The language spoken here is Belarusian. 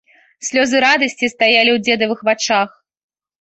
Слёзы радасці стаялі ў дзедавых вачах.